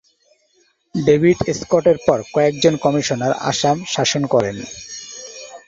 David স্কটের পর কয়েকজন কমিশনার আসাম শাসন করেন।।